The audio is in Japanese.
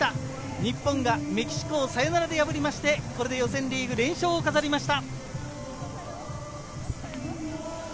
日本がメキシコをサヨナラで破り、これで予選リーグ連勝を飾りました。